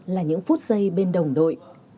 là những phút giây bên đồng đội